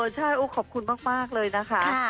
ใช่ขอบคุณมากเลยนะคะ